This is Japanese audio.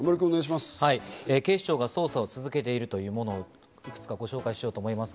警視庁が捜査を続けているというものをご紹介したいと思います。